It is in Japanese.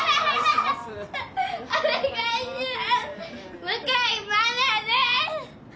お願いします。